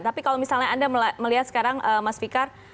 tapi kalau misalnya anda melihat sekarang mas fikar